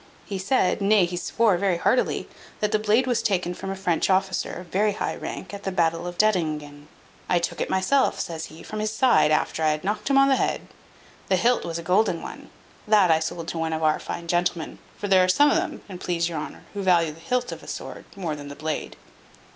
He said (nay he swore very heartily), "that the blade was taken from a French officer, of very high rank, at the battle of Dettingen. I took it myself," says he, "from his side, after I had knocked him o' the head. The hilt was a golden one. That I sold to one of our fine gentlemen; for there are some of them, an't please your honour, who value the hilt of a sword more than the blade."